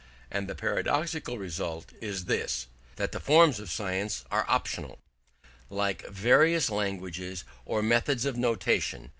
And the paradoxical result is this: that the forms of science are optional, like various languages or methods of notation.